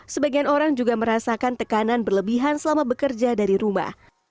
sebagian orang juga merasakan tekanan berlebihan selama bekerja dari rumah